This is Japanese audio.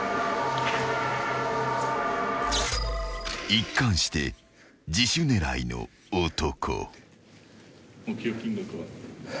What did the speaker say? ［一貫して自首狙いの男］